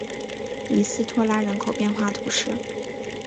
里斯托拉人口变化图示